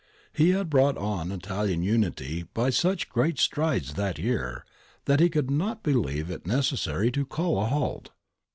He had brought on Italian unity by such giant strides that year, that he could not believe it necessary to call a halt.